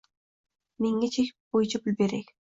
Menga chek bo’yicha pul bering!